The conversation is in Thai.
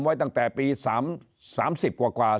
ดังแต่ปี๓๐กว่าล้าน